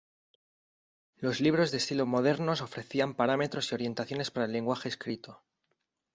Los libros de estilo modernos ofrecían parámetros y orientaciones para el lenguaje escrito.